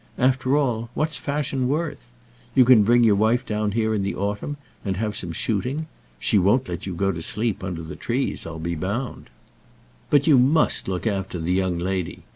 After all, what's fashion worth? You can bring your wife down here in the autumn, and have some shooting. She won't let you go to sleep under the trees, I'll be bound. But you must look after the young lady.